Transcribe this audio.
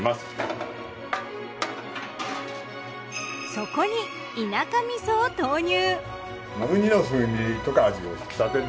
そこに田舎味噌を投入。